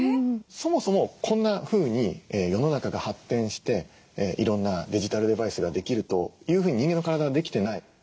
そもそもこんなふうに世の中が発展していろんなデジタルデバイスができるというふうに人間の体はできてない。